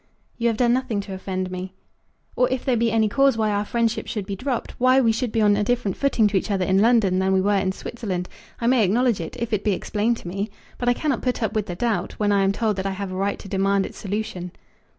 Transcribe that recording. "You have done nothing to offend me." "Or if there be any cause why our friendship should be dropped, why we should be on a different footing to each other in London than we were in Switzerland, I may acknowledge it, if it be explained to me. But I cannot put up with the doubt, when I am told that I have a right to demand its solution."